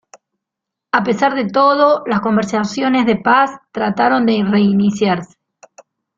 A pesar de todo, las conversaciones de paz trataron de reiniciarse.